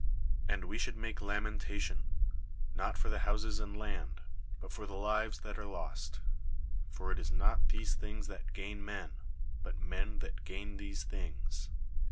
and we should make 14 PERICLES lamentation, not for the houses and land, but for the lives [that are lost] ; for it is not these things that gain men, but men that gain these things.